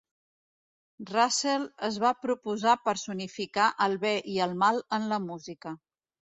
Russell es va proposar personificar el bé i el mal en la música.